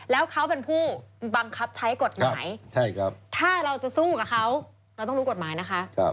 แล้วเขาเป็นผู้บังคับใช้กฎหมายถ้าเราจะสู้กับเขาเราต้องรู้กฎหมายนะคะ